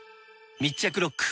密着ロック！